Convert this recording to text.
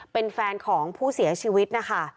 เป็นแฟนของผู้เสียชีวิตนะคะ